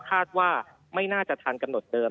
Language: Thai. คาดว่าไม่น่าจะทันกำหนดเดิม